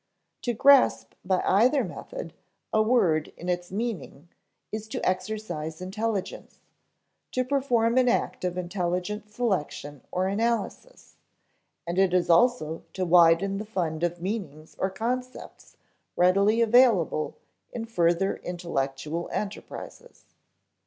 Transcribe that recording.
To grasp by either method a word in its meaning is to exercise intelligence, to perform an act of intelligent selection or analysis, and it is also to widen the fund of meanings or concepts readily available in further intellectual enterprises (ante, p.